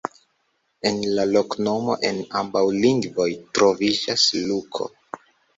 En la loknomo en ambaŭ lingvoj troviĝas Luko.